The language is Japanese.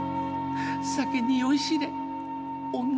酒に酔い痴れ女